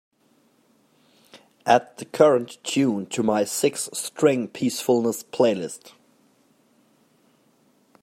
add the current tune to my Six string peacefulness playlist